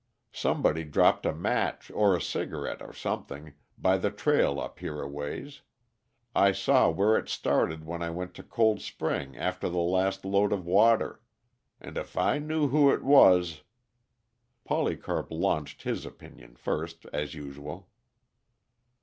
Somebody dropped a match, or a cigarette, or something, by the trail up here a ways. I saw where it started when I went to Cold Spring after the last load of water. And if I knew who it was " Polycarp launched his opinion first, as usual.